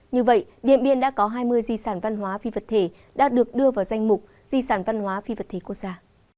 như vậy điện biên đã có hai mươi di sản văn hóa phi vật thể đã được đưa vào danh mục di sản văn hóa phi vật thể quốc gia